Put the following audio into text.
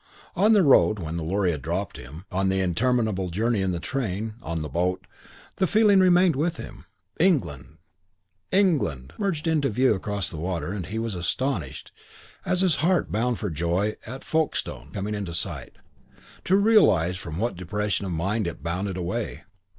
On the road when the lorry had dropped him, on the interminable journey in the train, on the boat, the feeling remained with him. England England! merged into view across the water, and he was astonished, as his heart bounded for joy at Folkestone coming into sight, to realise from what depression of mind it bounded away.